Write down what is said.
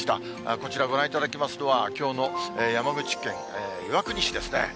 こちら、ご覧いただきますのは、きょうの山口県岩国市ですね。